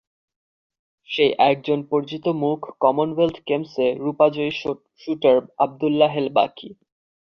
সেই একজন পরিচিত মুখ কমনওয়েলথ গেমসে রুপাজয়ী শুটার আবদুল্লাহ হেল বাকি।